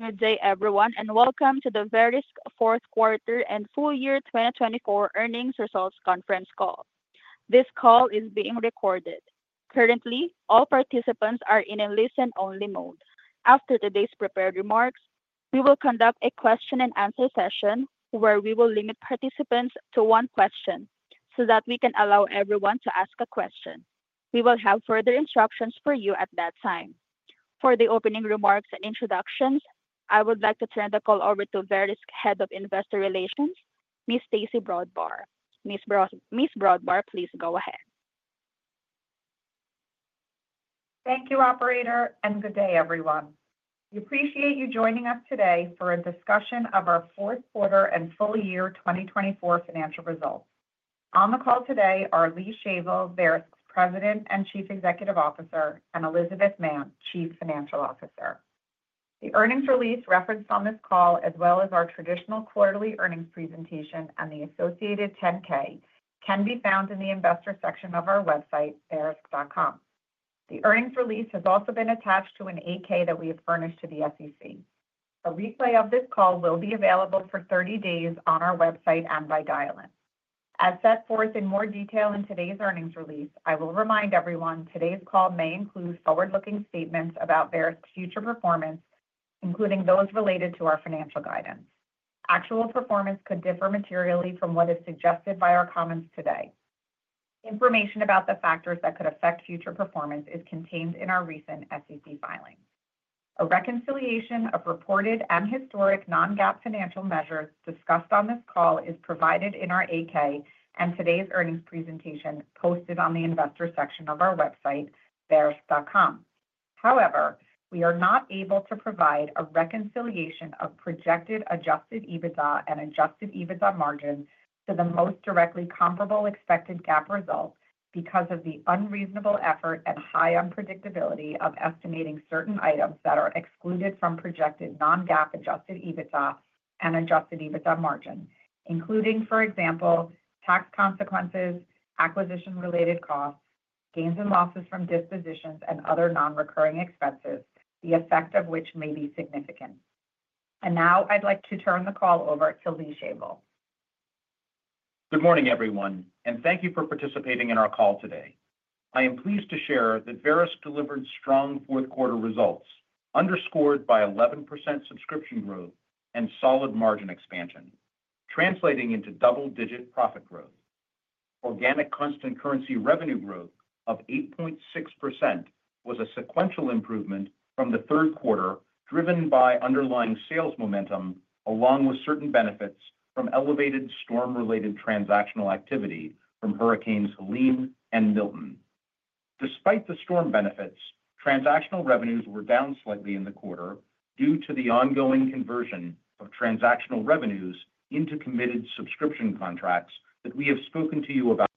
Good day, everyone, and welcome to the Verisk Fourth Quarter and Full Year 2024 Earnings Results Conference Call. This call is being recorded. Currently, all participants are in a listen-only mode. After today's prepared remarks, we will conduct a question-and-answer session where we will limit participants to one question so that we can allow everyone to ask a question. We will have further instructions for you at that time. For the opening remarks and introductions, I would like to turn the call over to Verisk Head of Investor Relations, Ms. Stacey Brodbar. Ms. Brodbar, please go ahead. Thank you, Operator, and good day, everyone. We appreciate you joining us today for a discussion of our Fourth Quarter and Full Year 2024 Financial Results. On the call today are Lee Shavel, Verisk's President and Chief Executive Officer, and Elizabeth Mann, Chief Financial Officer. The earnings release referenced on this call, as well as our traditional quarterly earnings presentation and the associated 10-K, can be found in the investor section of our website, verisk.com. The earnings release has also been attached to an 8-K that we have furnished to the SEC. A replay of this call will be available for 30 days on our website and by dial-in. As set forth in more detail in today's earnings release, I will remind everyone today's call may include forward-looking statements about Verisk's future performance, including those related to our financial guidance. Actual performance could differ materially from what is suggested by our comments today. Information about the factors that could affect future performance is contained in our recent SEC filings. A reconciliation of reported and historic non-GAAP financial measures discussed on this call is provided in our 8-K and today's earnings presentation posted on the investor section of our website, verisk.com. However, we are not able to provide a reconciliation of projected Adjusted EBITDA and Adjusted EBITDA margin to the most directly comparable expected GAAP results because of the unreasonable effort and high unpredictability of estimating certain items that are excluded from projected non-GAAP Adjusted EBITDA and Adjusted EBITDA margin, including, for example, tax consequences, acquisition-related costs, gains and losses from dispositions, and other non-recurring expenses, the effect of which may be significant, and now I'd like to turn the call over to Lee Shavel. Good morning, everyone, and thank you for participating in our call today. I am pleased to share that Verisk delivered strong fourth-quarter results, underscored by 11% subscription growth and solid margin expansion, translating into double-digit profit growth. Organic constant currency revenue growth of 8.6% was a sequential improvement from the third quarter, driven by underlying sales momentum, along with certain benefits from elevated storm-related transactional activity from Hurricanes Helene and Milton. Despite the storm benefits, transactional revenues were down slightly in the quarter due to the ongoing conversion of transactional revenues into committed subscription contracts that we have spoken to you about.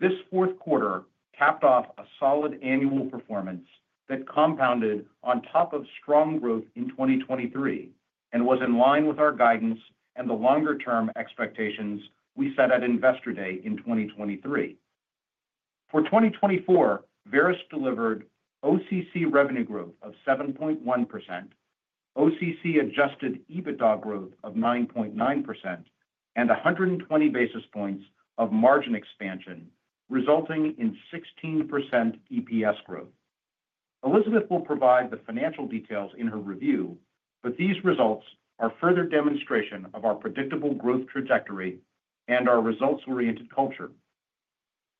This fourth quarter capped off a solid annual performance that compounded on top of strong growth in 2023 and was in line with our guidance and the longer-term expectations we set at investor day in 2023. For 2024, Verisk delivered OCC revenue growth of 7.1%, OCC Adjusted EBITDA growth of 9.9%, and 120 basis points of margin expansion, resulting in 16% EPS growth. Elizabeth will provide the financial details in her review, but these results are further demonstration of our predictable growth trajectory and our results-oriented culture.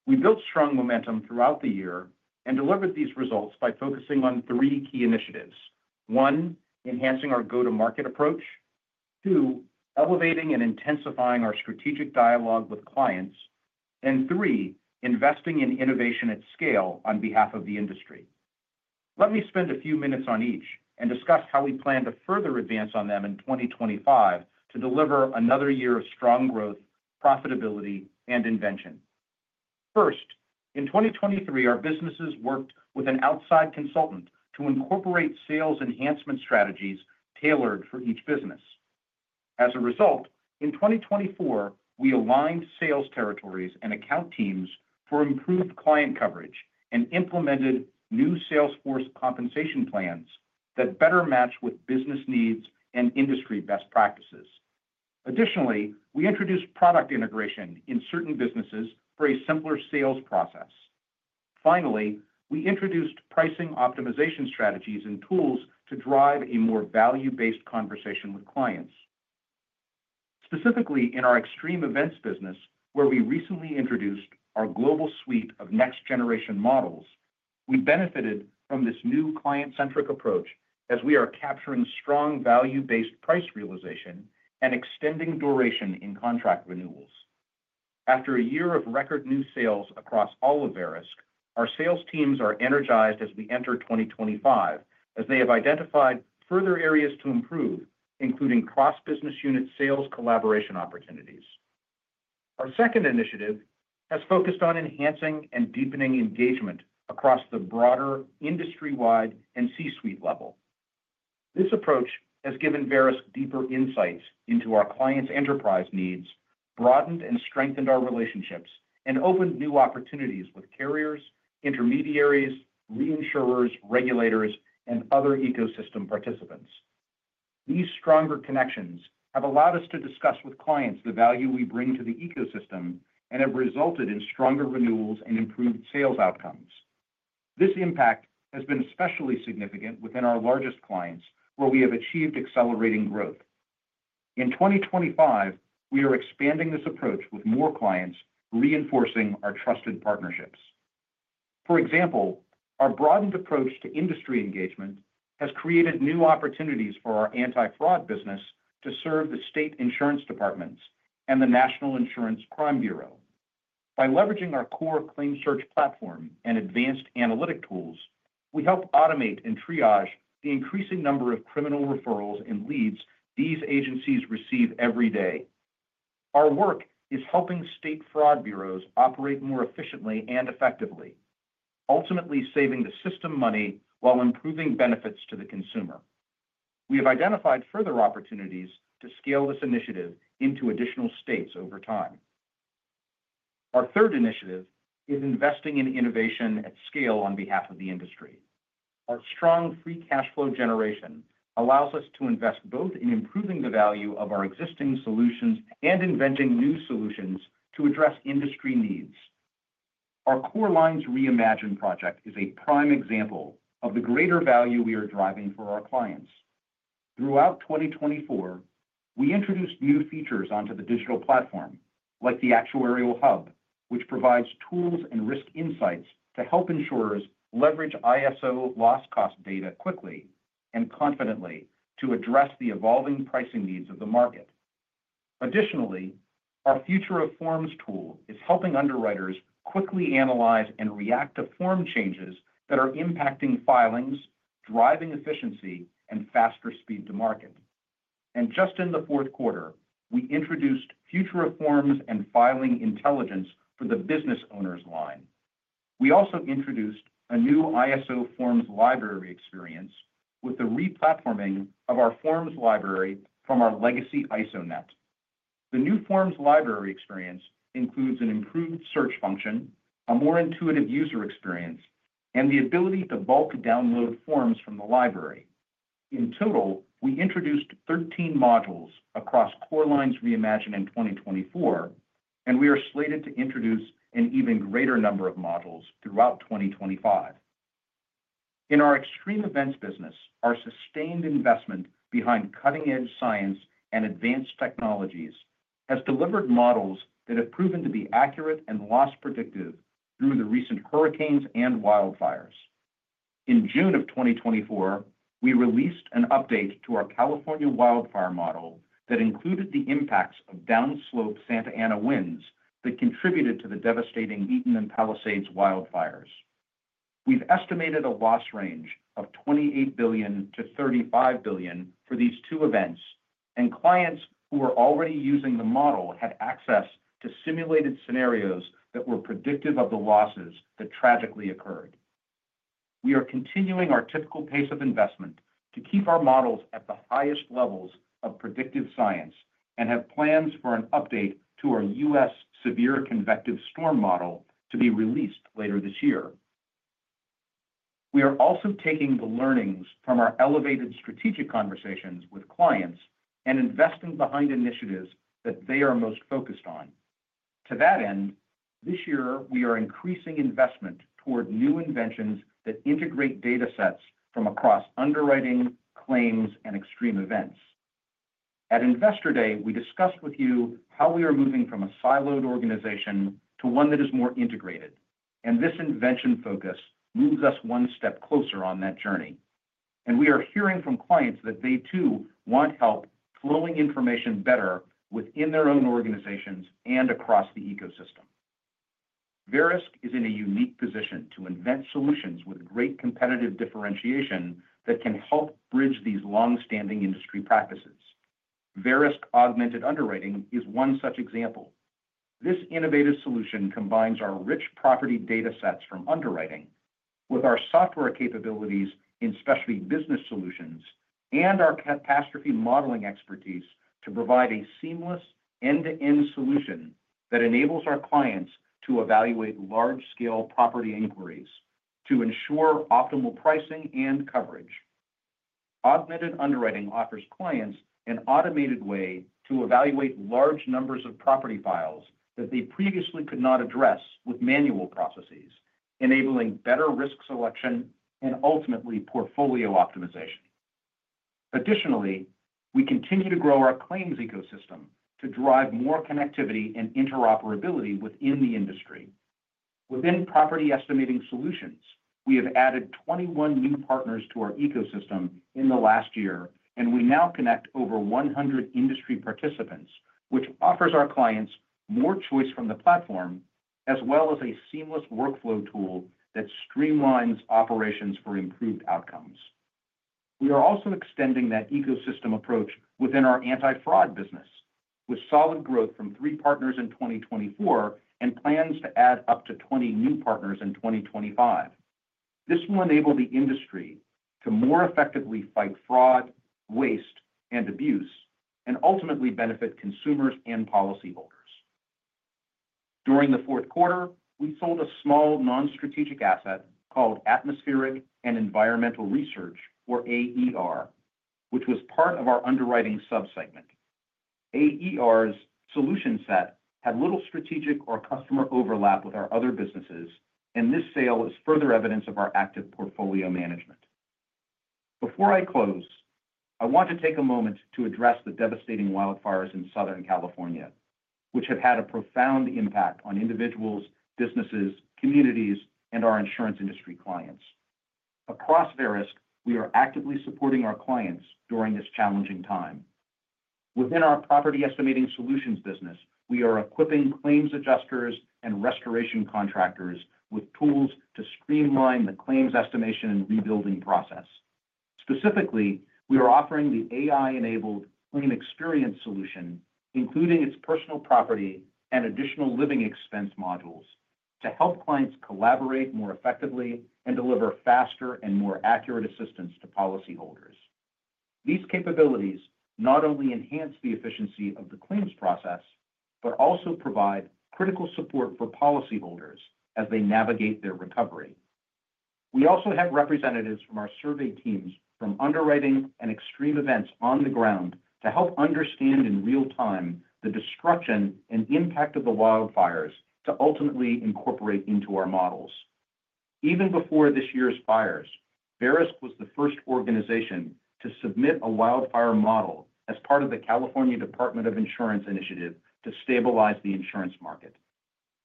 We built strong momentum throughout the year and delivered these results by focusing on three key initiatives: one, enhancing our go-to-market approach, two, elevating and intensifying our strategic dialogue with clients, and three, investing in innovation at scale on behalf of the industry. Let me spend a few minutes on each and discuss how we plan to further advance on them in 2025 to deliver another year of strong growth, profitability, and invention. First, in 2023, our businesses worked with an outside consultant to incorporate sales enhancement strategies tailored for each business. As a result, in 2024, we aligned sales territories and account teams for improved client coverage and implemented new sales force compensation plans that better match with business needs and industry best practices. Additionally, we introduced product integration in certain businesses for a simpler sales process. Finally, we introduced pricing optimization strategies and tools to drive a more value-based conversation with clients. Specifically, in our extreme events business, where we recently introduced our global suite of next-generation models, we benefited from this new client-centric approach as we are capturing strong value-based price realization and extending duration in contract renewals. After a year of record new sales across all of Verisk, our sales teams are energized as we enter 2025, as they have identified further areas to improve, including cross-business unit sales collaboration opportunities. Our second initiative has focused on enhancing and deepening engagement across the broader industry-wide and C-suite level. This approach has given Verisk deeper insights into our clients' enterprise needs, broadened and strengthened our relationships, and opened new opportunities with carriers, intermediaries, reinsurers, regulators, and other ecosystem participants. These stronger connections have allowed us to discuss with clients the value we bring to the ecosystem and have resulted in stronger renewals and improved sales outcomes. This impact has been especially significant within our largest clients, where we have achieved accelerating growth. In 2025, we are expanding this approach with more clients, reinforcing our trusted partnerships. For example, our broadened approach to industry engagement has created new opportunities for our anti-fraud business to serve the state insurance departments and the National Insurance Crime Bureau. By leveraging our core ClaimSearch platform and advanced analytic tools, we help automate and triage the increasing number of criminal referrals and leads these agencies receive every day. Our work is helping state fraud bureaus operate more efficiently and effectively, ultimately saving the system money while improving benefits to the consumer. We have identified further opportunities to scale this initiative into additional states over time. Our third initiative is investing in innovation at scale on behalf of the industry. Our strong free cash flow generation allows us to invest both in improving the value of our existing solutions and inventing new solutions to address industry needs. Our Core Lines Reimagined project is a prime example of the greater value we are driving for our clients. Throughout 2024, we introduced new features onto the digital platform, like the Actuarial Hub, which provides tools and risk insights to help insurers leverage ISO loss cost data quickly and confidently to address the evolving pricing needs of the market. Additionally, our Future of Forms tool is helping underwriters quickly analyze and react to form changes that are impacting filings, driving efficiency, and faster speed to market, and just in the fourth quarter, we introduced Future of Forms and Filing Intelligence for the business owners line. We also introduced a new ISO Forms Library experience with the replatforming of our Forms Library from our legacy ISOnet. The new Forms Library experience includes an improved search function, a more intuitive user experience, and the ability to bulk download forms from the library. In total, we introduced 13 modules across Core Lines Reimagined in 2024, and we are slated to introduce an even greater number of modules throughout 2025. In our extreme events business, our sustained investment behind cutting-edge science and advanced technologies has delivered models that have proven to be accurate and loss-predictive through the recent hurricanes and wildfires. In June of 2024, we released an update to our California wildfire model that included the impacts of downslope Santa Ana winds that contributed to the devastating Eaton and Palisades wildfires. We've estimated a loss range of $28 billion-$35 billion for these two events, and clients who were already using the model had access to simulated scenarios that were predictive of the losses that tragically occurred. We are continuing our typical pace of investment to keep our models at the highest levels of predictive science and have plans for an update to our U.S. Severe Convective Storm Model to be released later this year. We are also taking the learnings from our elevated strategic conversations with clients and investing behind initiatives that they are most focused on. To that end, this year, we are increasing investment toward new inventions that integrate data sets from across underwriting, claims, and extreme events. At investor day, we discussed with you how we are moving from a siloed organization to one that is more integrated, and this invention focus moves us one step closer on that journey. We are hearing from clients that they, too, want help flowing information better within their own organizations and across the ecosystem. Verisk is in a unique position to invent solutions with great competitive differentiation that can help bridge these long-standing industry practices. Verisk Augmented Underwriting is one such example. This innovative solution combines our rich property data sets from underwriting with our software capabilities in Specialty Business Solutions and our catastrophe modeling expertise to provide a seamless end-to-end solution that enables our clients to evaluate large-scale property inquiries to ensure optimal pricing and coverage. Augmented Underwriting offers clients an automated way to evaluate large numbers of property files that they previously could not address with manual processes, enabling better risk selection and ultimately portfolio optimization. Additionally, we continue to grow our claims ecosystem to drive more connectivity and interoperability within the industry. Within Property Estimating Solutions, we have added 21 new partners to our ecosystem in the last year, and we now connect over 100 industry participants, which offers our clients more choice from the platform, as well as a seamless workflow tool that streamlines operations for improved outcomes. We are also extending that ecosystem approach within our anti-fraud business, with solid growth from three partners in 2024 and plans to add up to 20 new partners in 2025. This will enable the industry to more effectively fight fraud, waste, and abuse, and ultimately benefit consumers and policyholders. During the fourth quarter, we sold a small non-strategic asset called Atmospheric and Environmental Research, or AER, which was part of our underwriting subsegment. AER's solution set had little strategic or customer overlap with our other businesses, and this sale is further evidence of our active portfolio management. Before I close, I want to take a moment to address the devastating wildfires in Southern California, which have had a profound impact on individuals, businesses, communities, and our insurance industry clients. Across Verisk, we are actively supporting our clients during this challenging time. Within our Property Estimating Solutions business, we are equipping claims adjusters and restoration contractors with tools to streamline the claims estimation and rebuilding process. Specifically, we are offering the AI-enabled ClaimXperience solution, including its personal property and additional living expense modules, to help clients collaborate more effectively and deliver faster and more accurate assistance to policyholders. These capabilities not only enhance the efficiency of the claims process, but also provide critical support for policyholders as they navigate their recovery. We also have representatives from our survey teams from underwriting and extreme events on the ground to help understand in real time the destruction and impact of the wildfires to ultimately incorporate into our models. Even before this year's fires, Verisk was the first organization to submit a wildfire model as part of the California Department of Insurance initiative to stabilize the insurance market.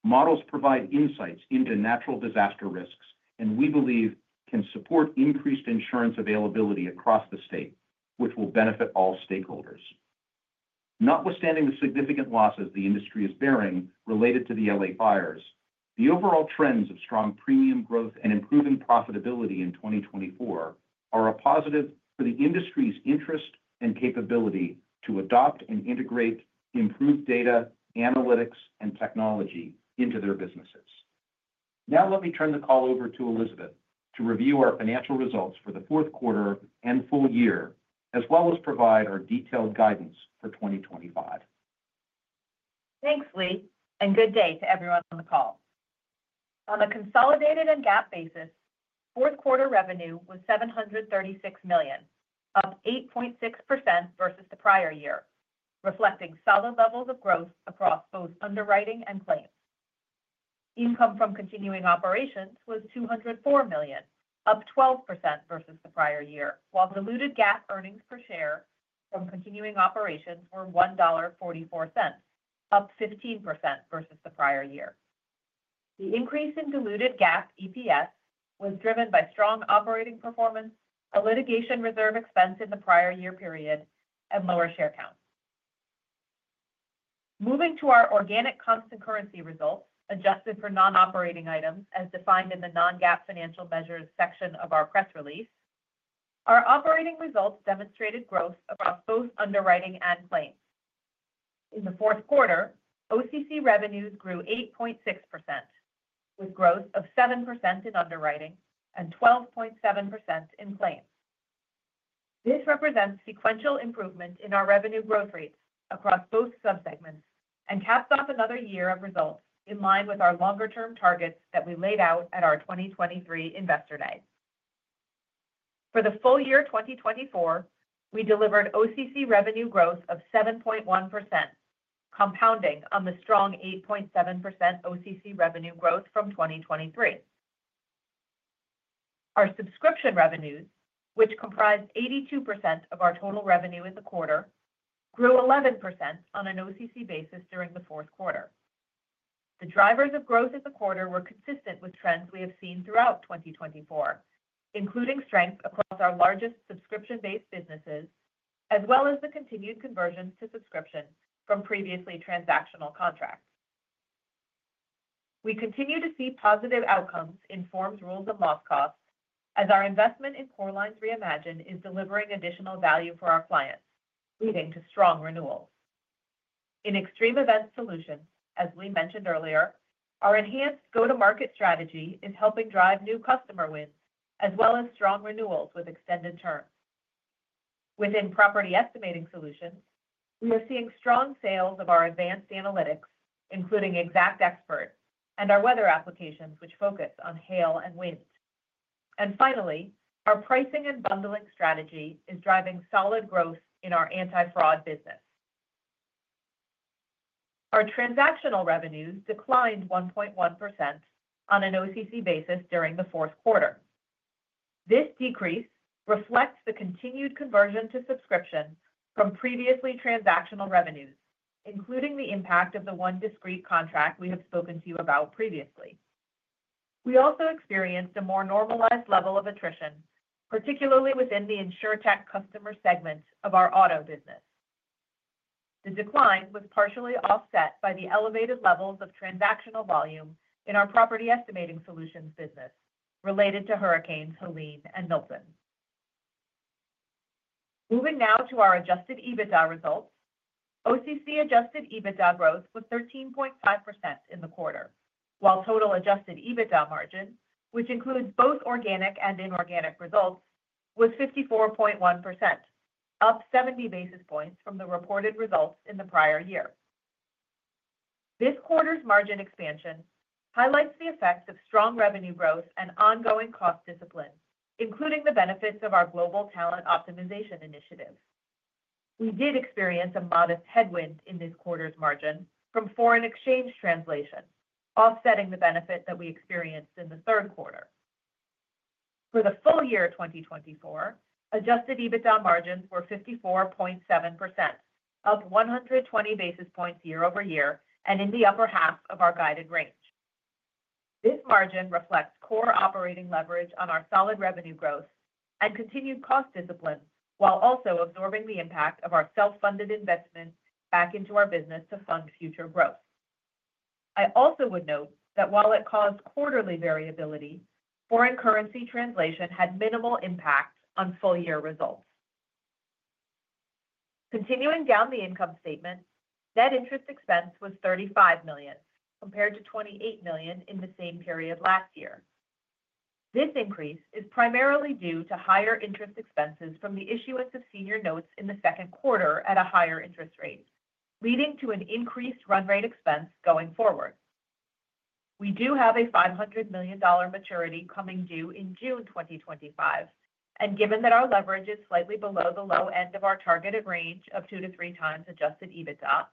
Models provide insights into natural disaster risks and we believe can support increased insurance availability across the state, which will benefit all stakeholders. Notwithstanding the significant losses the industry is bearing related to the LA fires, the overall trends of strong premium growth and improving profitability in 2024 are a positive for the industry's interest and capability to adopt and integrate improved data, analytics, and technology into their businesses. Now, let me turn the call over to Elizabeth to review our financial results for the fourth quarter and full year, as well as provide our detailed guidance for 2025. Thanks, Lee, and good day to everyone on the call. On a consolidated and GAAP basis, fourth quarter revenue was $736 million, up 8.6% versus the prior year, reflecting solid levels of growth across both underwriting and claims. Income from continuing operations was $204 million, up 12% versus the prior year, while diluted GAAP earnings per share from continuing operations were $1.44, up 15% versus the prior year. The increase in diluted GAAP EPS was driven by strong operating performance, a litigation reserve expense in the prior year period, and lower share counts. Moving to our organic constant currency results adjusted for non-operating items as defined in the non-GAAP financial measures section of our press release, our operating results demonstrated growth across both underwriting and claims. In the fourth quarter, OCC revenues grew 8.6%, with growth of 7% in underwriting and 12.7% in claims. This represents sequential improvement in our revenue growth rates across both subsegments and caps off another year of results in line with our longer-term targets that we laid out at our 2023 investor day. For the full year 2024, we delivered OCC revenue growth of 7.1%, compounding on the strong 8.7% OCC revenue growth from 2023. Our subscription revenues, which comprised 82% of our total revenue in the quarter, grew 11% on an OCC basis during the fourth quarter. The drivers of growth in the quarter were consistent with trends we have seen throughout 2024, including strength across our largest subscription-based businesses, as well as the continued conversions to subscription from previously transactional contracts. We continue to see positive outcomes in forms, rules, and loss costs, as our investment in Core Lines Reimagined is delivering additional value for our clients, leading to strong renewals. In extreme events solutions, as Lee mentioned earlier, our enhanced go-to-market strategy is helping drive new customer wins, as well as strong renewals with extended terms. Within property estimating solutions, we are seeing strong sales of our advanced analytics, including XactExpert, and our weather applications, which focus on hail and wind, and finally, our pricing and bundling strategy is driving solid growth in our anti-fraud business. Our transactional revenues declined 1.1% on an OCC basis during the fourth quarter. This decrease reflects the continued conversion to subscription from previously transactional revenues, including the impact of the one discrete contract we have spoken to you about previously. We also experienced a more normalized level of attrition, particularly within the insurtech customer segment of our auto business. The decline was partially offset by the elevated levels of transactional volume in our property estimating solutions business related to hurricanes Helene and Milton. Moving now to our Adjusted EBITDA results, OCC Adjusted EBITDA growth was 13.5% in the quarter, while total Adjusted EBITDA margin, which includes both organic and inorganic results, was 54.1%, up 70 basis points from the reported results in the prior year. This quarter's margin expansion highlights the effects of strong revenue growth and ongoing cost discipline, including the benefits of our global talent optimization initiative. We did experience a modest headwind in this quarter's margin from foreign exchange translation, offsetting the benefit that we experienced in the third quarter. For the full year 2024, Adjusted EBITDA margins were 54.7%, up 120 basis points year over year, and in the upper half of our guided range. This margin reflects core operating leverage on our solid revenue growth and continued cost discipline, while also absorbing the impact of our self-funded investment back into our business to fund future growth. I also would note that while it caused quarterly variability, foreign currency translation had minimal impact on full-year results. Continuing down the income statement, net interest expense was $35 million compared to $28 million in the same period last year. This increase is primarily due to higher interest expenses from the issuance of senior notes in the second quarter at a higher interest rate, leading to an increased run rate expense going forward. We do have a $500 million maturity coming due in June 2025, and given that our leverage is slightly below the low end of our targeted range of two to three times Adjusted EBITDA,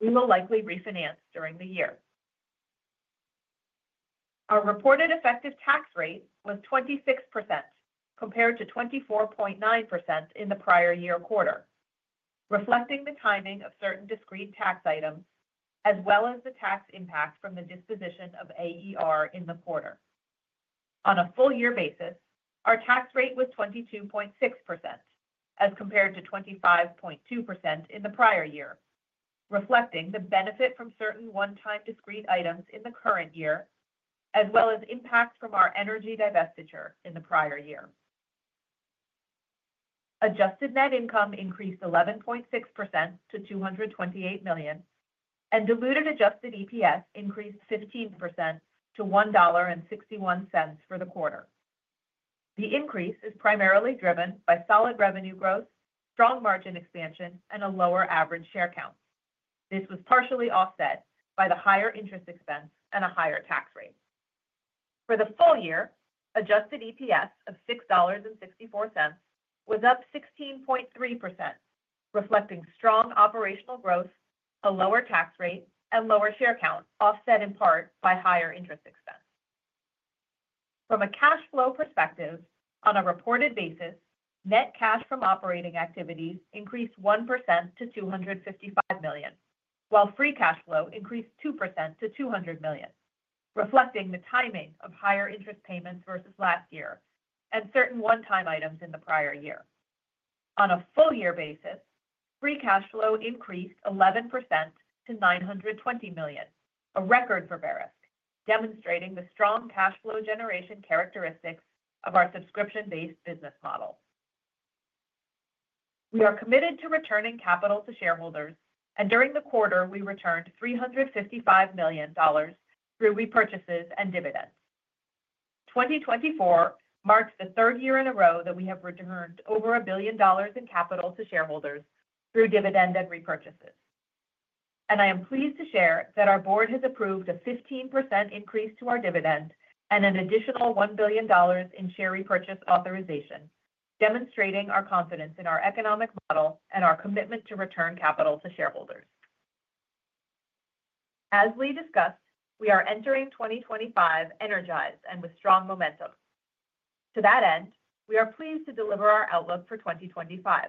we will likely refinance during the year. Our reported effective tax rate was 26% compared to 24.9% in the prior year quarter, reflecting the timing of certain discrete tax items, as well as the tax impact from the disposition of AER in the quarter. On a full year basis, our tax rate was 22.6%, as compared to 25.2% in the prior year, reflecting the benefit from certain one-time discrete items in the current year, as well as impacts from our energy divestiture in the prior year. Adjusted net income increased 11.6% to $228 million, and diluted adjusted EPS increased 15% to $1.61 for the quarter. The increase is primarily driven by solid revenue growth, strong margin expansion, and a lower average share count. This was partially offset by the higher interest expense and a higher tax rate. For the full year, adjusted EPS of $6.64 was up 16.3%, reflecting strong operational growth, a lower tax rate, and lower share count, offset in part by higher interest expense. From a cash flow perspective, on a reported basis, net cash from operating activities increased 1% to $255 million, while free cash flow increased 2% to $200 million, reflecting the timing of higher interest payments versus last year and certain one-time items in the prior year. On a full year basis, free cash flow increased 11% to $920 million, a record for Verisk, demonstrating the strong cash flow generation characteristics of our subscription-based business model. We are committed to returning capital to shareholders, and during the quarter, we returned $355 million through repurchases and dividends. 2024 marks the third year in a row that we have returned over a billion dollars in capital to shareholders through dividend and repurchases. I am pleased to share that our board has approved a 15% increase to our dividend and an additional $1 billion in share repurchase authorization, demonstrating our confidence in our economic model and our commitment to return capital to shareholders. As Lee discussed, we are entering 2025 energized and with strong momentum. To that end, we are pleased to deliver our outlook for 2025,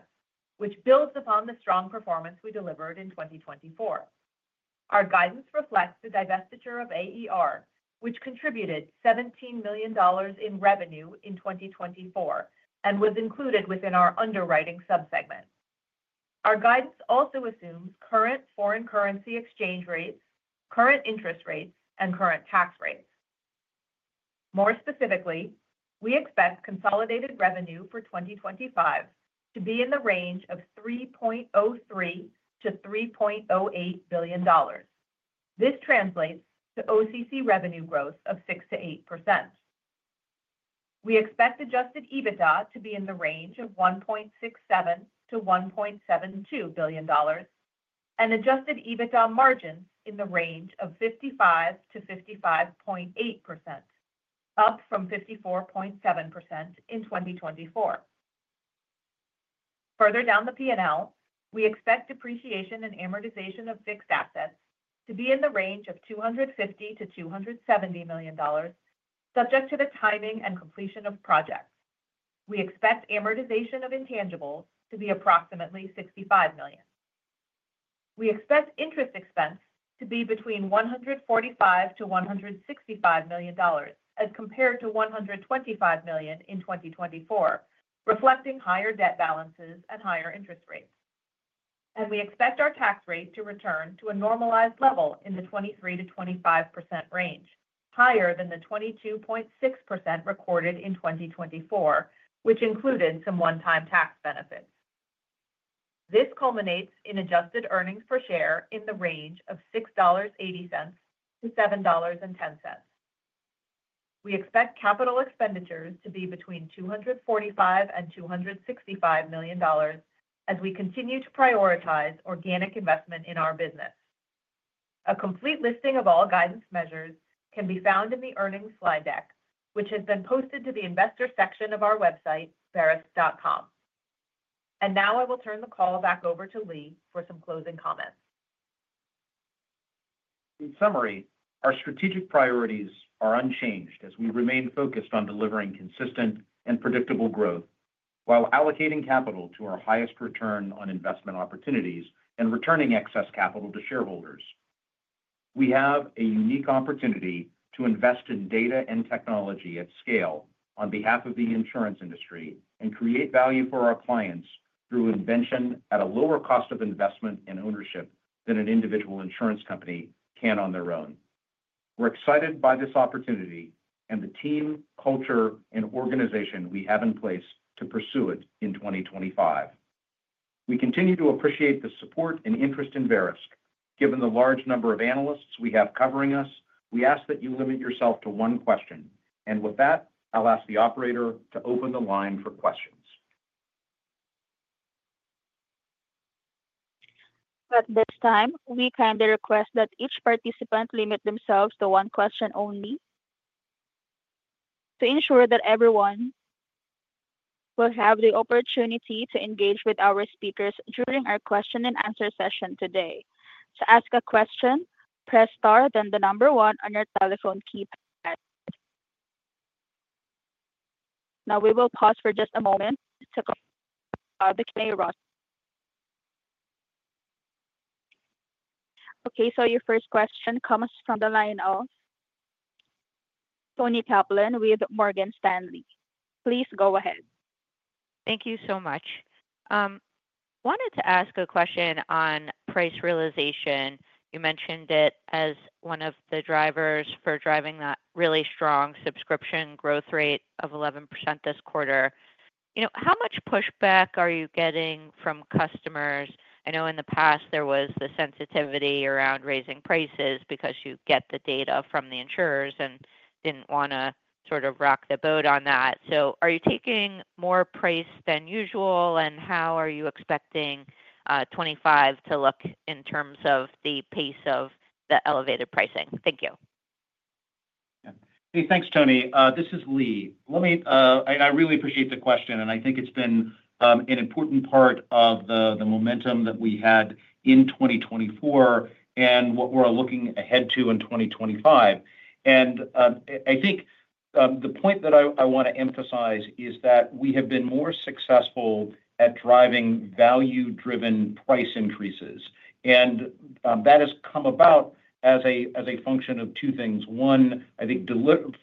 which builds upon the strong performance we delivered in 2024. Our guidance reflects the divestiture of AER, which contributed $17 million in revenue in 2024 and was included within our underwriting subsegment. Our guidance also assumes current foreign currency exchange rates, current interest rates, and current tax rates. More specifically, we expect consolidated revenue for 2025 to be in the range of $3.03-$3.08 billion. This translates to OCC revenue growth of 6%-8%. We expect Adjusted EBITDA to be in the range of $1.67-$1.72 billion and adjusted EBITDA margins in the range of 55%-55.8%, up from 54.7% in 2024. Further down the P&L, we expect depreciation and amortization of fixed assets to be in the range of $250-$270 million, subject to the timing and completion of projects. We expect amortization of intangibles to be approximately $65 million. We expect interest expense to be between $145-$165 million as compared to $125 million in 2024, reflecting higher debt balances and higher interest rates. And we expect our tax rate to return to a normalized level in the 23%-25% range, higher than the 22.6% recorded in 2024, which included some one-time tax benefits. This culminates in adjusted earnings per share in the range of $6.80-$7.10. We expect capital expenditures to be between $245 million and $265 million as we continue to prioritize organic investment in our business. A complete listing of all guidance measures can be found in the earnings slide deck, which has been posted to the investor section of our website, verisk.com. And now I will turn the call back over to Lee for some closing comments. In summary, our strategic priorities are unchanged as we remain focused on delivering consistent and predictable growth while allocating capital to our highest return on investment opportunities and returning excess capital to shareholders. We have a unique opportunity to invest in data and technology at scale on behalf of the insurance industry and create value for our clients through invention at a lower cost of investment and ownership than an individual insurance company can on their own. We're excited by this opportunity and the team, culture, and organization we have in place to pursue it in 2025. We continue to appreciate the support and interest in Verisk. Given the large number of analysts we have covering us, we ask that you limit yourself to one question. And with that, I'll ask the operator to open the line for questions. At this time, we kindly request that each participant limit themselves to one question only to ensure that everyone will have the opportunity to engage with our speakers during our question and answer session today. To ask a question, press star then the number one on your telephone keypad. Now we will pause for just a moment to call the first. Okay, so your first question comes from the line of Toni Kaplan with Morgan Stanley. Please go ahead. Thank you so much. I wanted to ask a question on price realization. You mentioned it as one of the drivers for driving that really strong subscription growth rate of 11% this quarter. You know, how much pushback are you getting from customers? I know in the past there was the sensitivity around raising prices because you get the data from the insurers and didn't want to sort of rock the boat on that. So are you taking more price than usual, and how are you expecting 25 to look in terms of the pace of the elevated pricing? Thank you. Hey, thanks, Toni. This is Lee. Let me, I really appreciate the question, and I think it's been an important part of the momentum that we had in 2024 and what we're looking ahead to in 2025. I think the point that I want to emphasize is that we have been more successful at driving value-driven price increases. That has come about as a function of two things. One, I think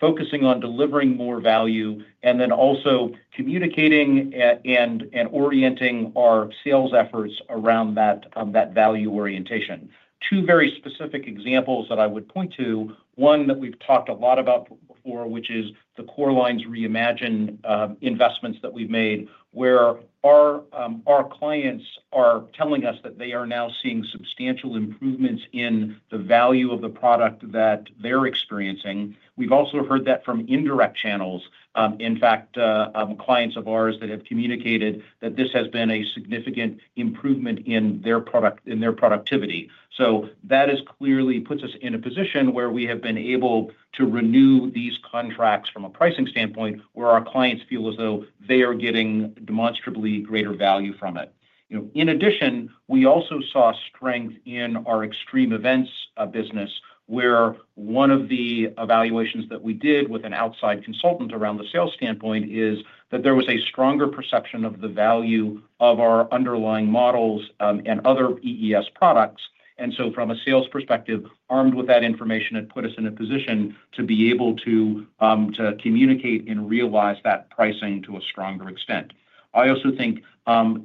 focusing on delivering more value and then also communicating and orienting our sales efforts around that value orientation. Two very specific examples that I would point to, one that we've talked a lot about before, which is the Core Lines Reimagined investments that we've made, where our clients are telling us that they are now seeing substantial improvements in the value of the product that they're experiencing. We've also heard that from indirect channels. In fact, clients of ours that have communicated that this has been a significant improvement in their productivity. So that clearly puts us in a position where we have been able to renew these contracts from a pricing standpoint where our clients feel as though they are getting demonstrably greater value from it. In addition, we also saw strength in our extreme events business, where one of the evaluations that we did with an outside consultant around the sales standpoint is that there was a stronger perception of the value of our underlying models and other EES products, and so from a sales perspective, armed with that information, it put us in a position to be able to communicate and realize that pricing to a stronger extent. I also think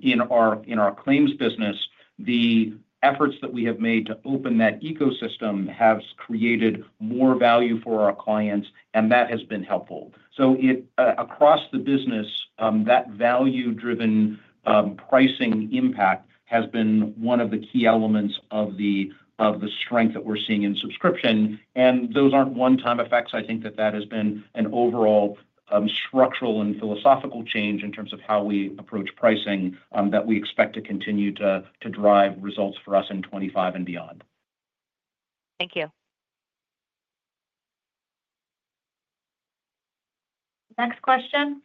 in our claims business, the efforts that we have made to open that ecosystem have created more value for our clients, and that has been helpful. So across the business, that value-driven pricing impact has been one of the key elements of the strength that we're seeing in subscription. And those aren't one-time effects. I think that that has been an overall structural and philosophical change in terms of how we approach pricing that we expect to continue to drive results for us in 2025 and beyond. Thank you. Next question.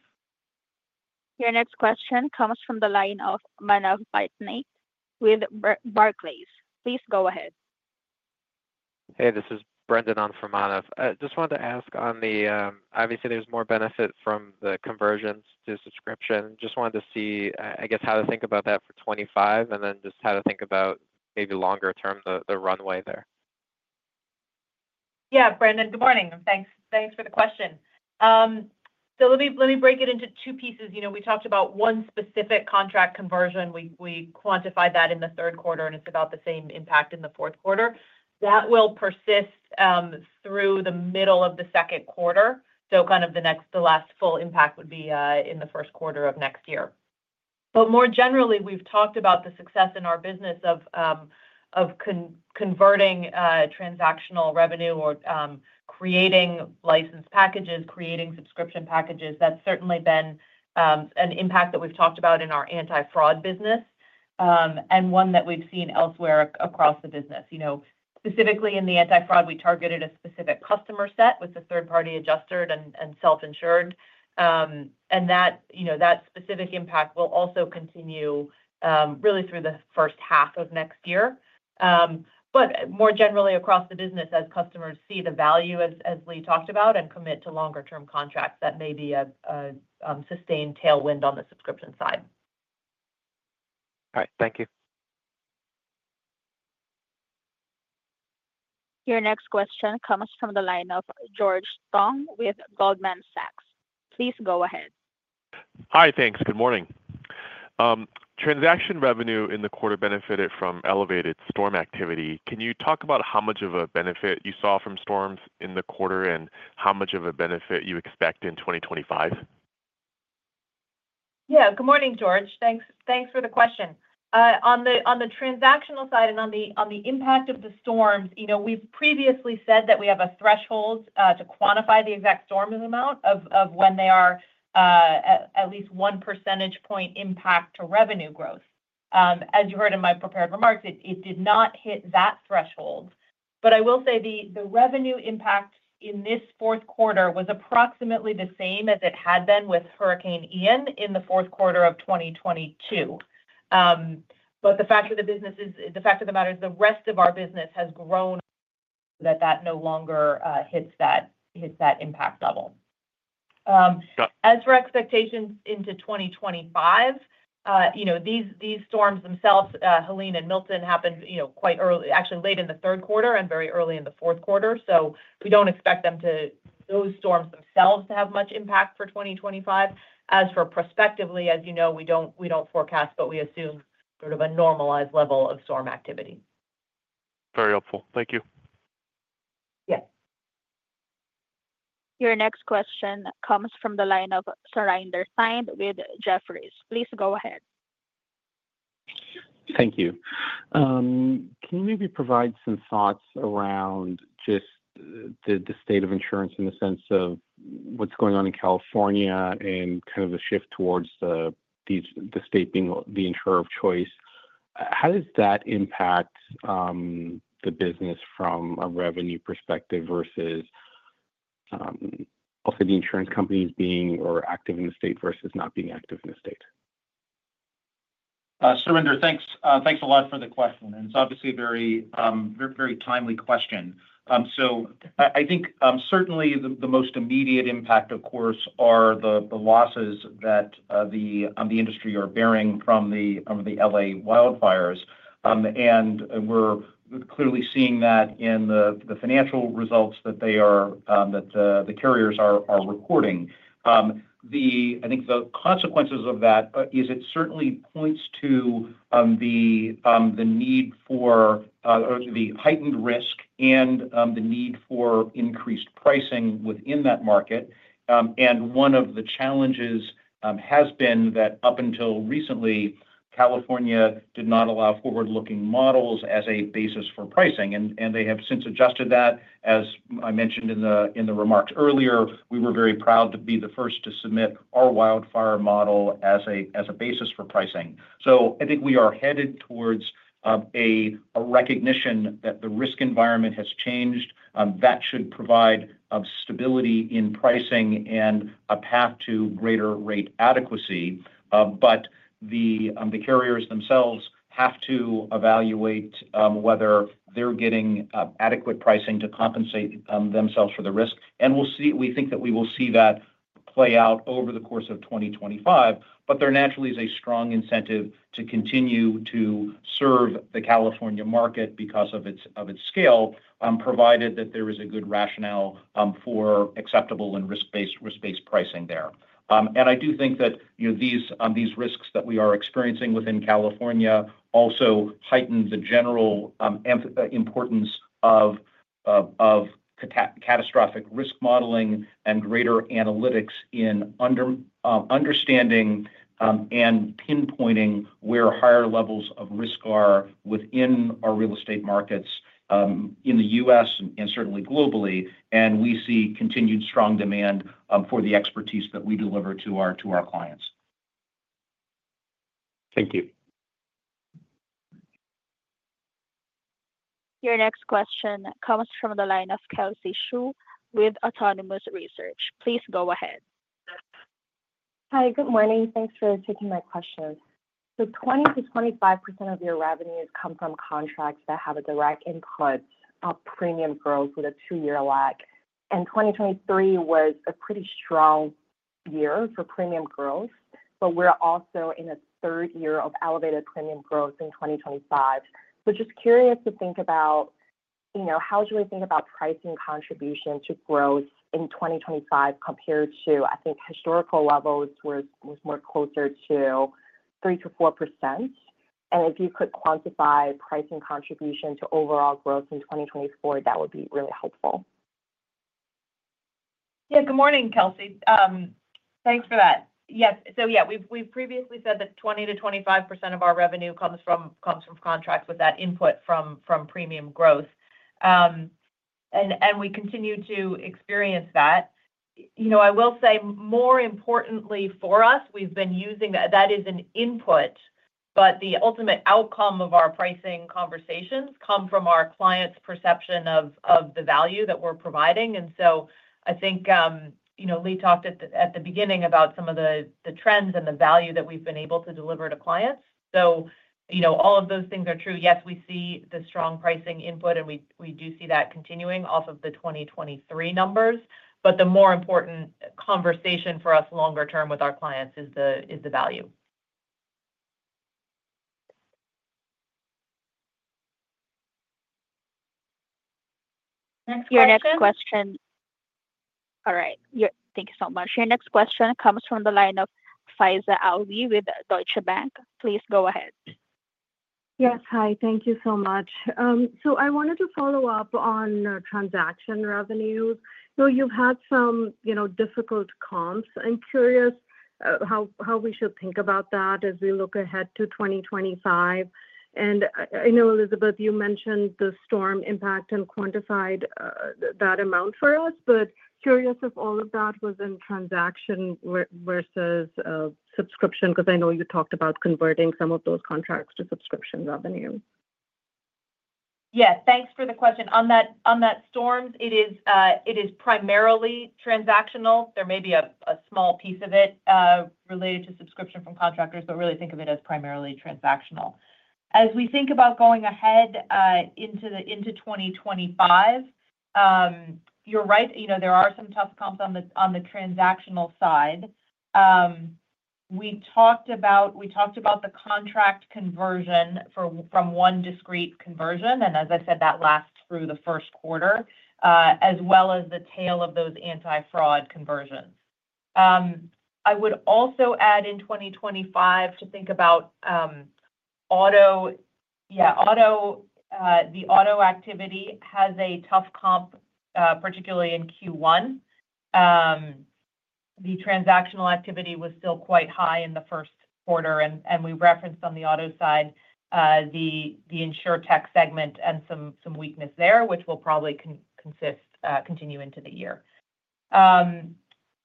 Your next question comes from the line of Manav Patnaik with Barclays. Please go ahead. Hey, this is Brendan on for Manav. I just wanted to ask on the, obviously, there's more benefit from the conversions to subscription. Just wanted to see, I guess, how to think about that for 2025 and then just how to think about maybe longer term, the runway there. Yeah, Brendan, good morning. Thanks for the question. So let me break it into two pieces. We talked about one specific contract conversion. We quantified that in the third quarter, and it's about the same impact in the fourth quarter. That will persist through the middle of the second quarter, so kind of the last full impact would be in the first quarter of next year, but more generally, we've talked about the success in our business of converting transactional revenue or creating licensed packages, creating subscription packages. That's certainly been an impact that we've talked about in our anti-fraud business and one that we've seen elsewhere across the business. Specifically in the anti-fraud, we targeted a specific customer set with a third-party adjuster and self-insured, and that specific impact will also continue really through the first half of next year. But more generally, across the business, as customers see the value, as Lee talked about, and commit to longer-term contracts, that may be a sustained tailwind on the subscription side. All right, thank you. Your next question comes from the line of George Tong with Goldman Sachs. Please go ahead. Hi, thanks. Good morning. Transactional revenue in the quarter benefited from elevated storm activity. Can you talk about how much of a benefit you saw from storms in the quarter and how much of a benefit you expect in 2025? Yeah, good morning, George. Thanks for the question. On the transactional side and on the impact of the storms, we've previously said that we have a threshold to quantify the exact storm amount of when they are at least one percentage point impact to revenue growth. As you heard in my prepared remarks, it did not hit that threshold. But I will say the revenue impact in this fourth quarter was approximately the same as it had been with Hurricane Ian in the fourth quarter of 2022. But the fact of the business is, the fact of the matter is the rest of our business has grown that no longer hits that impact level. As for expectations into 2025, these storms themselves, Helene and Milton, happened quite early, actually late in the third quarter and very early in the fourth quarter. So we don't expect those storms themselves to have much impact for 2025. As for prospectively, as you know, we don't forecast, but we assume sort of a normalized level of storm activity. Very helpful. Thank you. Yes. Your next question comes from the line of Surinder Thind with Jefferies. Please go ahead. Thank you. Can you maybe provide some thoughts around just the state of insurance in the sense of what's going on in California and kind of the shift towards the state being the insurer of choice? How does that impact the business from a revenue perspective versus also the insurance companies being active in the state versus not being active in the state? Surinder, thanks. Thanks a lot for the question. And it's obviously a very timely question. So I think certainly the most immediate impact, of course, are the losses that the industry are bearing from the LA wildfires. And we're clearly seeing that in the financial results that the carriers are reporting. I think the consequences of that is it certainly points to the need for the heightened risk and the need for increased pricing within that market. And one of the challenges has been that up until recently, California did not allow forward-looking models as a basis for pricing. And they have since adjusted that. As I mentioned in the remarks earlier, we were very proud to be the first to submit our wildfire model as a basis for pricing. So I think we are headed towards a recognition that the risk environment has changed. That should provide stability in pricing and a path to greater rate adequacy. But the carriers themselves have to evaluate whether they're getting adequate pricing to compensate themselves for the risk. And we think that we will see that play out over the course of 2025. But there naturally is a strong incentive to continue to serve the California market because of its scale, provided that there is a good rationale for acceptable and risk-based pricing there. I do think that these risks that we are experiencing within California also heighten the general importance of catastrophic risk modeling and greater analytics in understanding and pinpointing where higher levels of risk are within our real estate markets in the U.S. and certainly globally, and we see continued strong demand for the expertise that we deliver to our clients. Thank you. Your next question comes from the line of Kelsey Zhu with Autonomous Research. Please go ahead. Hi, good morning. Thanks for taking my question, so 20%-25% of your revenues come from contracts that have a direct input of premium growth with a two-year lag, and 2023 was a pretty strong year for premium growth, but we're also in a third year of elevated premium growth in 2025. So just curious to think about how should we think about pricing contribution to growth in 2025 compared to, I think, historical levels where it was more closer to 3%-4%. And if you could quantify pricing contribution to overall growth in 2024, that would be really helpful. Yeah, good morning, Kelsey. Thanks for that. Yes. So yeah, we've previously said that 20%-25% of our revenue comes from contracts with that input from premium growth. And we continue to experience that. I will say, more importantly for us, we've been using that as an input. But the ultimate outcome of our pricing conversations comes from our clients' perception of the value that we're providing. And so I think Lee talked at the beginning about some of the trends and the value that we've been able to deliver to clients. So all of those things are true. Yes, we see the strong pricing input, and we do see that continuing off of the 2023 numbers. But the more important conversation for us longer term with our clients is the value. Next question. Your next question. All right. Thank you so much. Your next question comes from the line of Faiza Alwi with Deutsche Bank. Please go ahead. Yes, hi. Thank you so much. So I wanted to follow up on transaction revenues. So you've had some difficult comps. I'm curious how we should think about that as we look ahead to 2025. And I know, Elizabeth, you mentioned the storm impact and quantified that amount for us, but curious if all of that was in transaction versus subscription, because I know you talked about converting some of those contracts to subscription revenue. Yes, thanks for the question. On that storms, it is primarily transactional. There may be a small piece of it related to subscription from contractors, but really think of it as primarily transactional. As we think about going ahead into 2025, you're right. There are some tough comps on the transactional side. We talked about the contract conversion from one discrete conversion, and as I said, that lasts through the first quarter, as well as the tail of those anti-fraud conversions. I would also add in 2025 to think about auto, yeah, the auto activity has a tough comp, particularly in Q1. The transactional activity was still quite high in the first quarter, and we referenced on the auto side, the insurtech segment and some weakness there, which will probably continue into the year.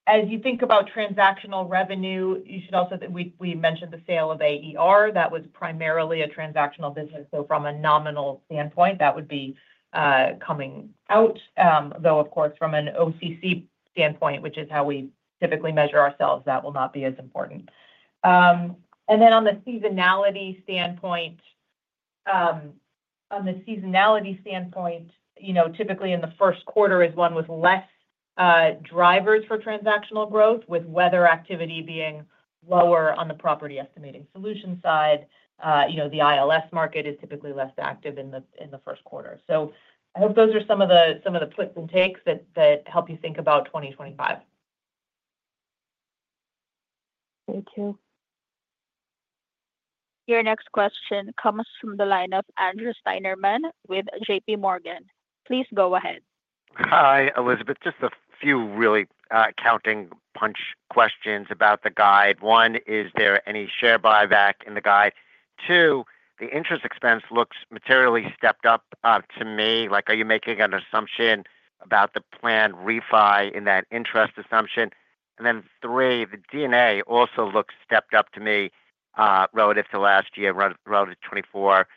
As you think about transactional revenue, you should also say that we mentioned the sale of AER. That was primarily a transactional business. So from a nominal standpoint, that would be coming out, though, of course, from an OCC standpoint, which is how we typically measure ourselves, that will not be as important. And then on the seasonality standpoint, typically in the first quarter is one with less drivers for transactional growth, with weather activity being lower on the property estimating solution side. The ILS market is typically less active in the first quarter. So I hope those are some of the quick takes that help you think about 2025. Thank you. Your next question comes from the line of Andrew Steinerman with J.P. Morgan. Please go ahead. Hi, Elizabeth. Just a few really quick punch questions about the guide. One, is there any share buyback in the guide? Two, the interest expense looks materially stepped up to me. Are you making an assumption about the planned refi in that interest assumption? And then three, the D&A also looks stepped up to me relative to last year, relative to 2024.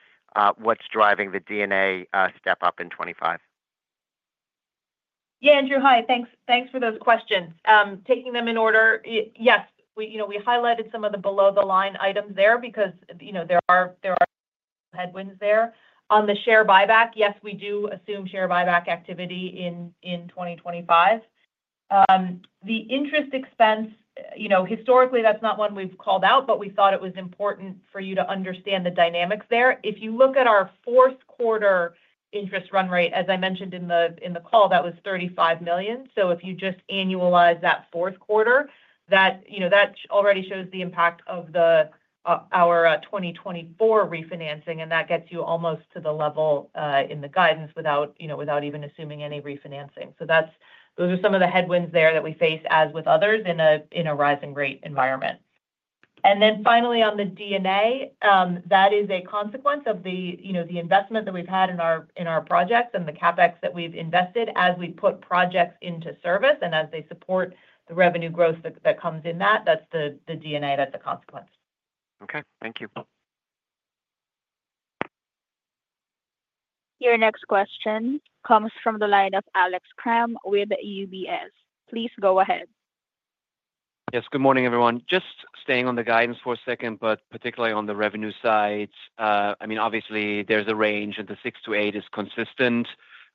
What's driving the D&A step up in 2025? Yeah, Andrew, hi. Thanks for those questions. Taking them in order, yes, we highlighted some of the below-the-line items there because there are headwinds there. On the share buyback, yes, we do assume share buyback activity in 2025. The interest expense, historically, that's not one we've called out, but we thought it was important for you to understand the dynamics there. If you look at our fourth quarter interest run rate, as I mentioned in the call, that was $35 million. So if you just annualize that fourth quarter, that already shows the impact of our 2024 refinancing. And that gets you almost to the level in the guidance without even assuming any refinancing. So those are some of the headwinds there that we face as with others in a rising rate environment. And then finally, on the D&A, that is a consequence of the investment that we've had in our projects and the CapEx that we've invested as we put projects into service and as they support the revenue growth that comes in that. That's the D&A that's a consequence. Okay, thank you. Your next question comes from the line of Alex Kram with UBS. Please go ahead. Yes, good morning, everyone. Just staying on the guidance for a second, but particularly on the revenue sides. I mean, obviously, there's a range and the six to eight is consistent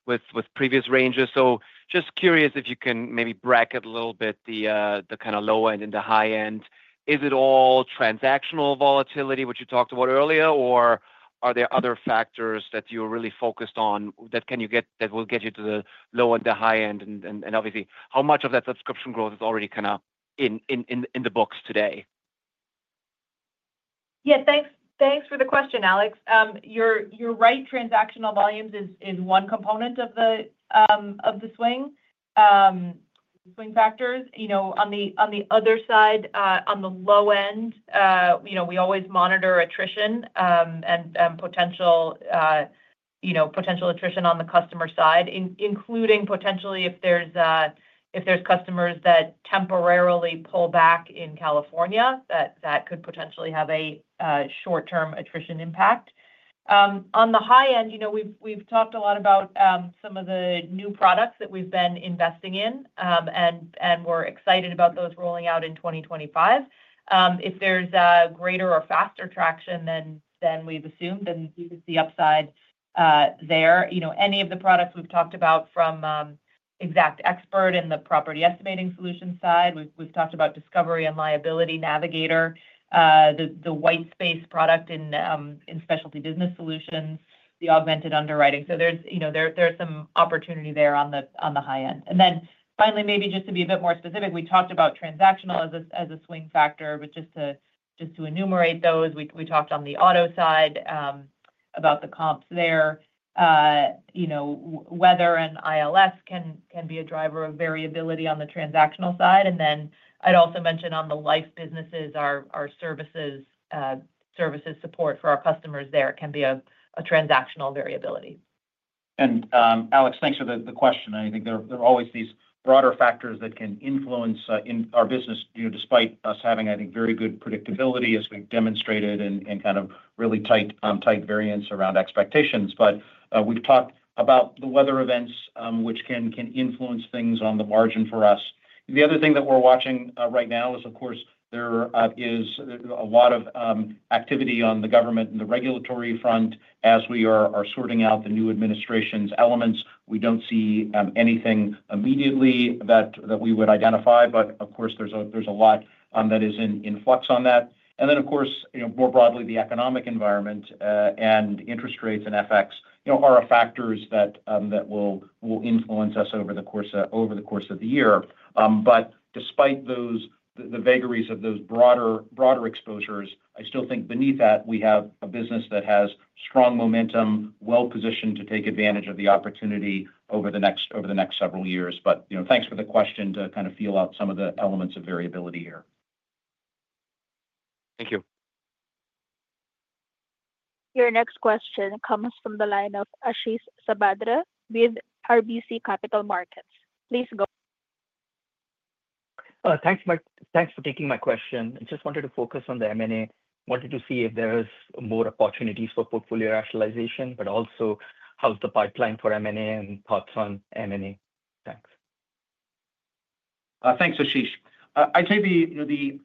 with previous ranges. So, just curious if you can maybe bracket a little bit the kind of low end and the high end. Is it all transactional volatility, which you talked about earlier, or are there other factors that you're really focused on that can you get that will get you to the low and the high end? And obviously, how much of that subscription growth is already kind of in the books today? Yeah, thanks for the question, Alex. You're right. Transactional volumes is one component of the swing factors. On the other side, on the low end, we always monitor attrition and potential attrition on the customer side, including potentially if there's customers that temporarily pull back in California, that could potentially have a short-term attrition impact. On the high end, we've talked a lot about some of the new products that we've been investing in, and we're excited about those rolling out in 2025. If there's a greater or faster traction than we've assumed, then you can see upside there. Any of the products we've talked about from XactExpert and the property estimating solution side. We've talked about Discovery and Liability Navigator, the Whitespace product in specialty Business Solutions, the Augmented Underwriting. So there's some opportunity there on the high end. And then finally, maybe just to be a bit more specific, we talked about transactional as a swing factor, but just to enumerate those, we talked on the auto side about the comps there. Weather and ILS can be a driver of variability on the transactional side. Then I'd also mention on the life businesses, our services support for our customers there can be a transactional variability. Alex, thanks for the question. I think there are always these broader factors that can influence our business despite us having, I think, very good predictability as we've demonstrated and kind of really tight variance around expectations. We've talked about the weather events, which can influence things on the margin for us. The other thing that we're watching right now is, of course, there is a lot of activity on the government and the regulatory front as we are sorting out the new administration's elements. We don't see anything immediately that we would identify. Of course, there's a lot that is in flux on that. And then, of course, more broadly, the economic environment and interest rates and FX are factors that will influence us over the course of the year. But despite the vagaries of those broader exposures, I still think beneath that we have a business that has strong momentum, well-positioned to take advantage of the opportunity over the next several years. But thanks for the question to kind of feel out some of the elements of variability here. Thank you. Your next question comes from the line of Ashish Sabadra with RBC Capital Markets. Please go. Thanks for taking my question. I just wanted to focus on the M&A. Wanted to see if there is more opportunities for portfolio rationalization, but also how's the pipeline for M&A and thoughts on M&A. Thanks. Thanks, Ashish. I'd say the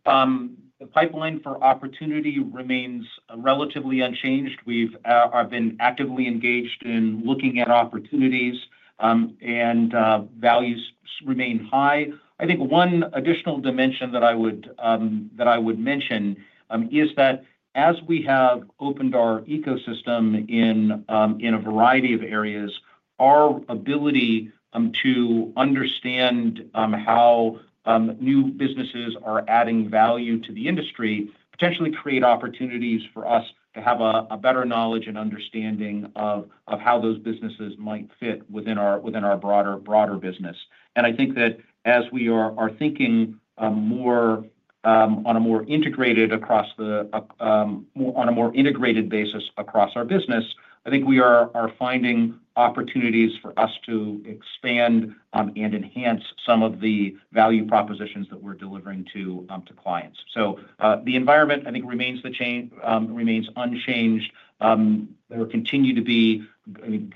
pipeline for opportunity remains relatively unchanged. We've been actively engaged in looking at opportunities, and values remain high. I think one additional dimension that I would mention is that as we have opened our ecosystem in a variety of areas, our ability to understand how new businesses are adding value to the industry potentially creates opportunities for us to have a better knowledge and understanding of how those businesses might fit within our broader business. And I think that as we are thinking on a more integrated basis across our business, I think we are finding opportunities for us to expand and enhance some of the value propositions that we're delivering to clients. So the environment, I think, remains unchanged. There continue to be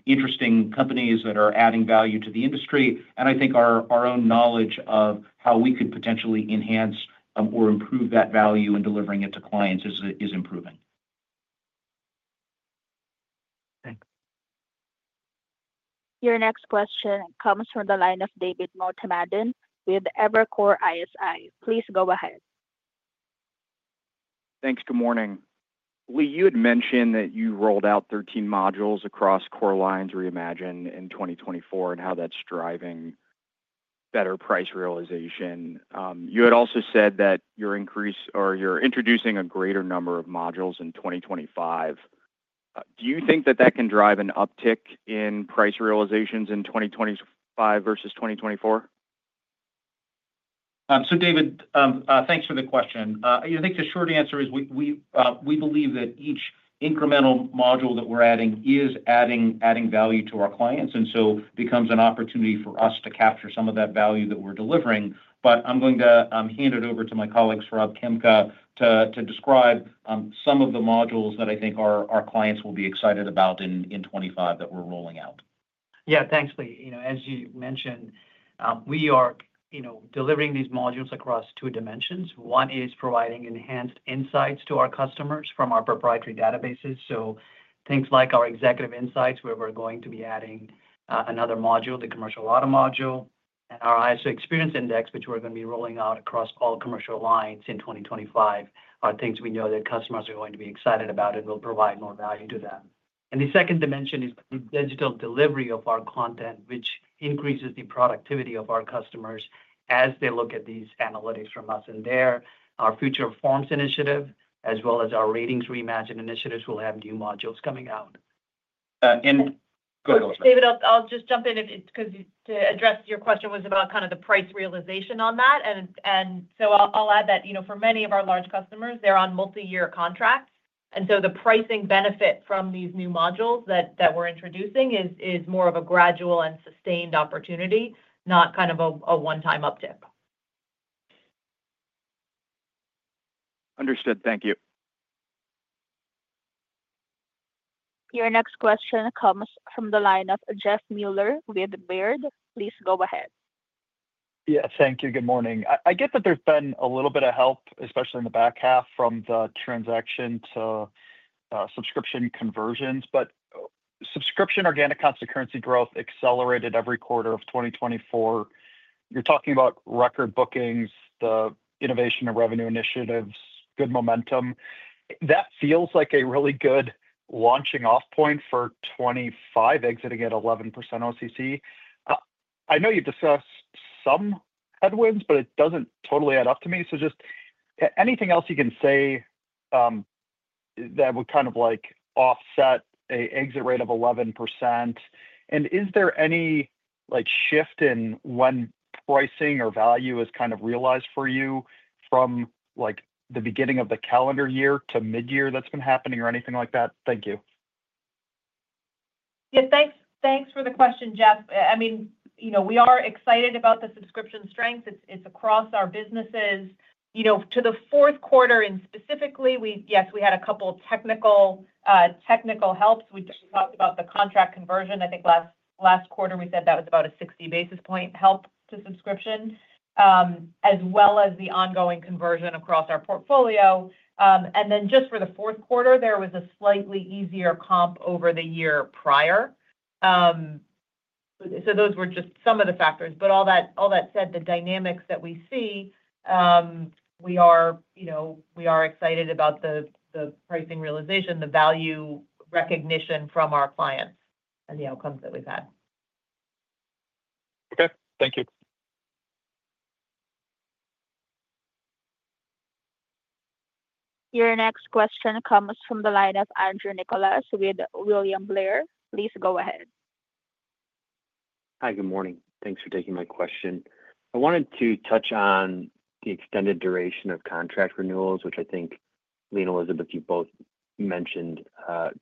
interesting companies that are adding value to the industry. And I think our own knowledge of how we could potentially enhance or improve that value in delivering it to clients is improving. Thanks. Your next question comes from the line of David Motemaden with Evercore ISI. Please go ahead. Thanks. Good morning. Lee, you had mentioned that you rolled out 13 modules across Core Lines Reimagined in 2024 and how that's driving better price realization. You had also said that you're introducing a greater number of modules in 2025. Do you think that that can drive an uptick in price realizations in 2025 versus 2024? So, David, thanks for the question. I think the short answer is we believe that each incremental module that we're adding is adding value to our clients. And so it becomes an opportunity for us to capture some of that value that we're delivering. But I'm going to hand it over to my colleague, Saurabh Khemka, to describe some of the modules that I think our clients will be excited about in 2025 that we're rolling out. Yeah, thanks, Lee. As you mentioned, we are delivering these modules across two dimensions. One is providing enhanced insights to our customers from our proprietary databases. So things like our Executive Insights, where we're going to be adding another module, the commercial auto module, and our ISO Experience Index, which we're going to be rolling out across all commercial lines in 2025, are things we know that customers are going to be excited about and will provide more value to them. And the second dimension is the digital delivery of our content, which increases the productivity of our customers as they look at these analytics from us. And there, our Future Forms initiative, as well as our Ratings Reimagined initiatives, will have new modules coming out. And go ahead, Lee. David, I'll just jump in because to address your question was about kind of the price realization on that. And so I'll add that for many of our large customers, they're on multi-year contracts. And so the pricing benefit from these new modules that we're introducing is more of a gradual and sustained opportunity, not kind of a one-time uptick. Understood. Thank you. Your next question comes from the line of Jeff Mueller with Baird. Please go ahead. Yeah, thank you. Good morning. I get that there's been a little bit of help, especially in the back half from the transaction to subscription conversions. But subscription organic constant currency growth accelerated every quarter of 2024. You're talking about record bookings, the innovation and revenue initiatives, good momentum. That feels like a really good launching-off point for 2025, exiting at 11% OCC. I know you've discussed some headwinds, but it doesn't totally add up to me. So just anything else you can say that would kind of offset an exit rate of 11%? And is there any shift in when pricing or value is kind of realized for you from the beginning of the calendar year to mid-year that's been happening or anything like that? Thank you. Yeah, thanks for the question, Jeff. I mean, we are excited about the subscription strength. It's across our businesses. To the fourth quarter specifically, yes, we had a couple of technical helps. We talked about the contract conversion. I think last quarter, we said that was about a 60 basis points help to subscription, as well as the ongoing conversion across our portfolio. And then just for the fourth quarter, there was a slightly easier comp over the year prior. So those were just some of the factors. But all that said, the dynamics that we see, we are excited about the pricing realization, the value recognition from our clients, and the outcomes that we've had. Okay. Thank you. Your next question comes from the line of Andrew Nicholas with William Blair. Please go ahead. Hi, good morning. Thanks for taking my question. I wanted to touch on the extended duration of contract renewals, which I think, Lee, and Elizabeth, you both mentioned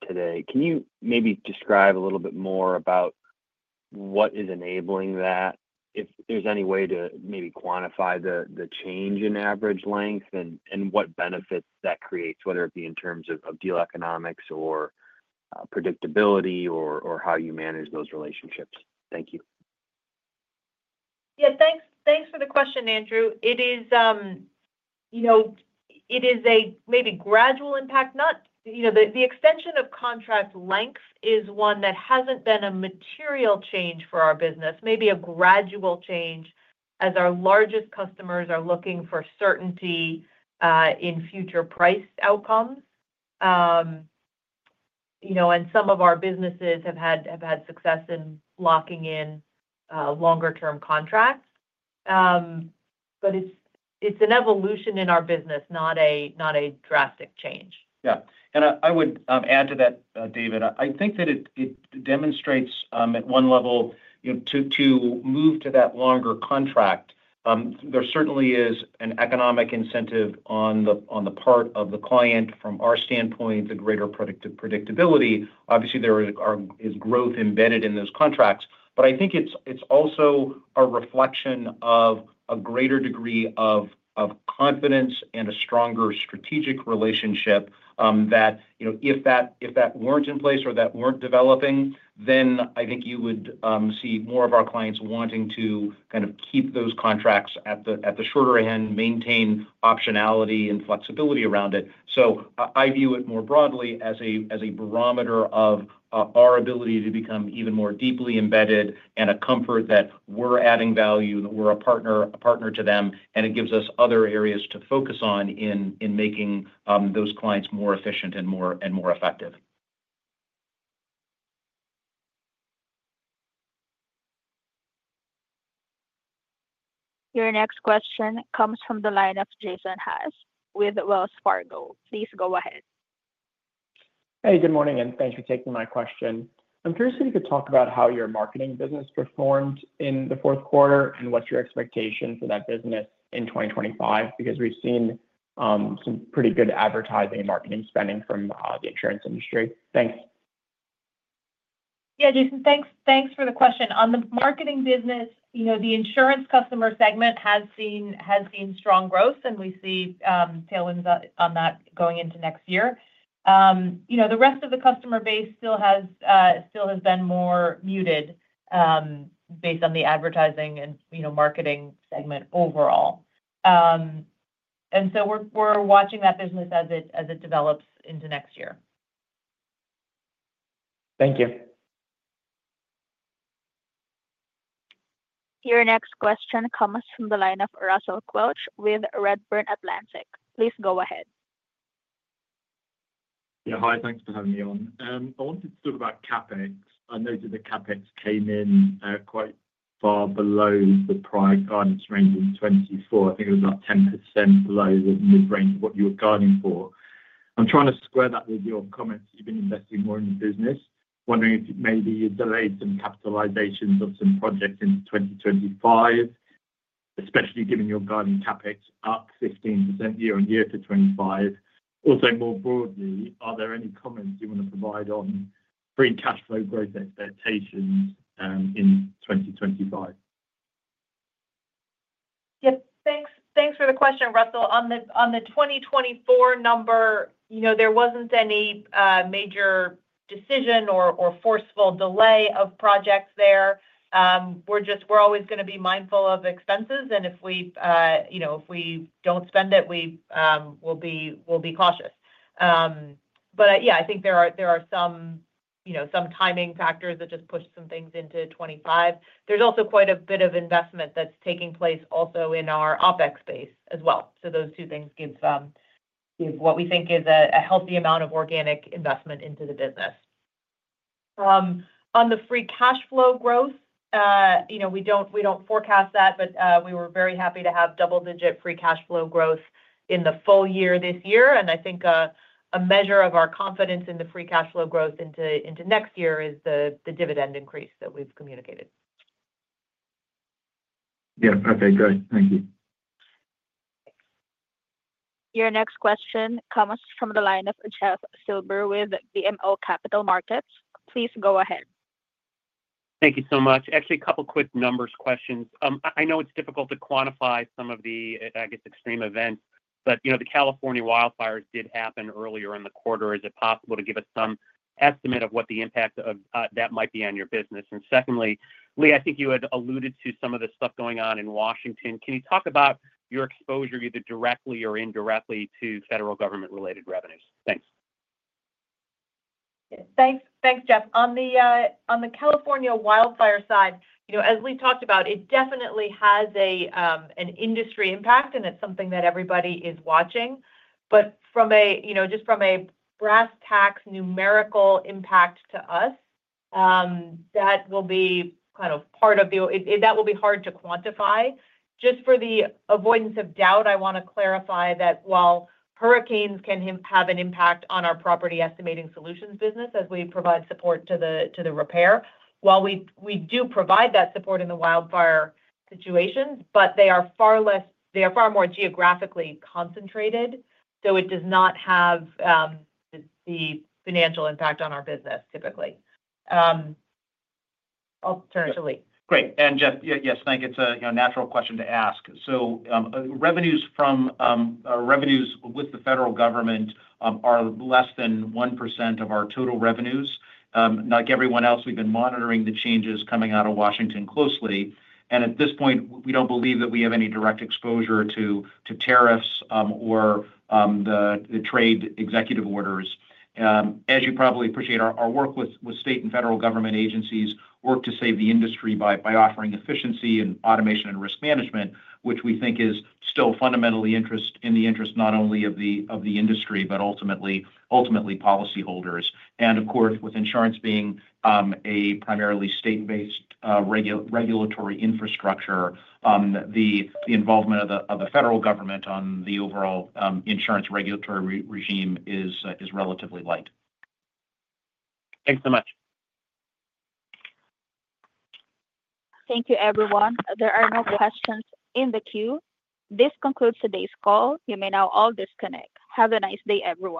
today. Can you maybe describe a little bit more about what is enabling that? If there's any way to maybe quantify the change in average length and what benefits that creates, whether it be in terms of deal economics or predictability or how you manage those relationships? Thank you. Yeah, thanks for the question, Andrew. It is a maybe gradual impact. The extension of contract length is one that hasn't been a material change for our business, maybe a gradual change as our largest customers are looking for certainty in future price outcomes. And some of our businesses have had success in locking in longer-term contracts. But it's an evolution in our business, not a drastic change. Yeah. And I would add to that, David. I think that it demonstrates at one level to move to that longer contract. There certainly is an economic incentive on the part of the client. From our standpoint, the greater predictability. Obviously, there is growth embedded in those contracts. But I think it's also a reflection of a greater degree of confidence and a stronger strategic relationship that if that weren't in place or that weren't developing, then I think you would see more of our clients wanting to kind of keep those contracts at the shorter end, maintain optionality and flexibility around it. So I view it more broadly as a barometer of our ability to become even more deeply embedded and a comfort that we're adding value and that we're a partner to them. And it gives us other areas to focus on in making those clients more efficient and more effective. Your next question comes from the line of Jason Haas with Wells Fargo. Please go ahead. Hey, good morning, and thanks for taking my question. I'm curious if you could talk about how your marketing business performed in the fourth quarter and what's your expectation for that business in 2025 because we've seen some pretty good advertising and marketing spending from the insurance industry. Thanks. Yeah, Jason, thanks for the question. On the marketing business, the insurance customer segment has seen strong growth, and we see tailwinds on that going into next year. The rest of the customer base still has been more muted based on the advertising and marketing segment overall. And so we're watching that business as it develops into next year. Thank you. Your next question comes from the line of Russell Quelch with Redburn Atlantic. Please go ahead. Yeah, hi. Thanks for having me on. I wanted to talk about CapEx. I noted that CapEx came in quite far below the prior guidance range in 2024. I think it was about 10% below the mid-range of what you were guiding for. I'm trying to square that with your comments that you've been investing more in the business. Wondering if maybe you delayed some capitalizations of some projects into 2025, especially given you're guiding CapEx up 15% year on year to 2025. Also, more broadly, are there any comments you want to provide on free cash flow growth expectations in 2025? Yep. Thanks for the question, Russell. On the 2024 number, there wasn't any major decision or forceful delay of projects there. We're always going to be mindful of expenses. And if we don't spend it, we'll be cautious. But yeah, I think there are some timing factors that just pushed some things into 2025. There's also quite a bit of investment that's taking place also in our OpEx space as well. So those two things give what we think is a healthy amount of organic investment into the business. On the free cash flow growth, we don't forecast that, but we were very happy to have double-digit free cash flow growth in the full year this year. And I think a measure of our confidence in the free cash flow growth into next year is the dividend increase that we've communicated. Yeah. Okay. Great. Thank you. Your next question comes from the line of Jeff Silber with BMO Capital Markets. Please go ahead. Thank you so much. Actually, a couple of quick numbers questions. I know it's difficult to quantify some of the, I guess, extreme events, but the California wildfires did happen earlier in the quarter. Is it possible to give us some estimate of what the impact of that might be on your business? And secondly, Lee, I think you had alluded to some of the stuff going on in Washington. Can you talk about your exposure either directly or indirectly to federal government-related revenues? Thanks. Thanks, Jeff. On the California wildfire side, as we've talked about, it definitely has an industry impact, and it's something that everybody is watching. But just from a brass tacks numerical impact to us, that will be kind of part of that will be hard to quantify. Just for the avoidance of doubt, I want to clarify that while hurricanes can have an impact on our property estimating solutions business as we provide support to the repair, while we do provide that support in the wildfire situation, but they are far more geographically concentrated. So it does not have the financial impact on our business, typically. I'll turn it to Lee. Great. And Jeff, yes, thank you. It's a natural question to ask. So revenues with the federal government are less than 1% of our total revenues. Like everyone else, we've been monitoring the changes coming out of Washington closely. And at this point, we don't believe that we have any direct exposure to tariffs or the trade executive orders. As you probably appreciate, our work with state and federal government agencies works to save the industry by offering efficiency and automation and risk management, which we think is still fundamentally in the interest not only of the industry, but ultimately policyholders. And of course, with insurance being a primarily state-based regulatory infrastructure, the involvement of the federal government on the overall insurance regulatory regime is relatively light. Thanks so much. Thank you, everyone. There are no questions in the queue. This concludes today's call. You may now all disconnect. Have a nice day, everyone.